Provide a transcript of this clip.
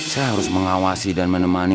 saya harus mengawasi dan menemani